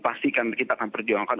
pastikan kita akan perjuangkan